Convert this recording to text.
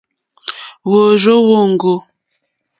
Wòrzô wóŋɡô.